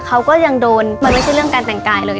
เขาก็ยังโดนมันไม่ใช่เรื่องการแต่งกายเลย